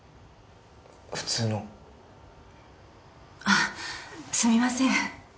普通のあっすみません